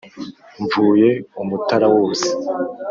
mvuye u mutara wose